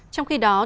trong khi đó